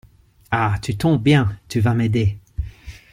Ah, tu tombes bien! Tu vas m’aider.